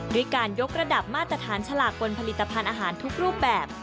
ด้วยการยกระดับมาตรฐานฉลากบนผลิตภัณฑ์อาหารทุกรูปแบบ